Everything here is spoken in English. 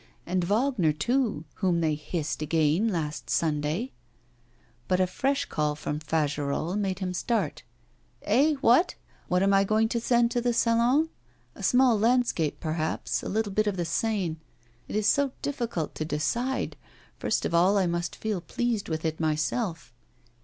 And Wagner, too, whom they hissed again last Sunday!' But a fresh call from Fagerolles made him start. 'Eh! what? What am I going to send to the Salon? A small landscape, perhaps; a little bit of the Seine. It is so difficult to decide; first of all I must feel pleased with it myself.